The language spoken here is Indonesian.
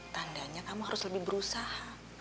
tandanya kamu harus lebih berusaha